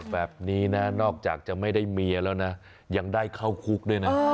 แบบนี้นะนอกจากจะไม่ได้เมียแล้วนะยังได้เข้าคุกด้วยนะ